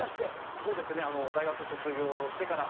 そうですね大学卒業してから。